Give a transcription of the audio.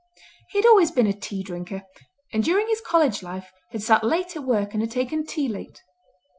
He had always been a tea drinker, and during his college life had sat late at work and had taken tea late.